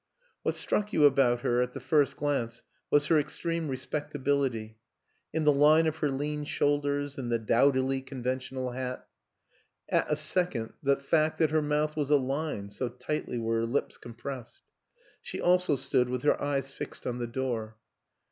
What struck you about her at the first glance was her extreme respectability in the line of her lean shoulders, in the dowdily conventional hat; at a second, the fact that her mouth was a line, so tightly were her lips compressed. She also stood with her eyes fixed on the door.